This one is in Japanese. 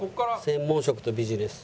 専門職とビジネス。